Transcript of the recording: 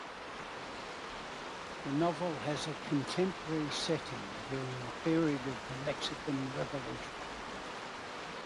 The novel has a contemporary setting during the period of the Mexican Revolution.